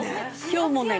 今日もね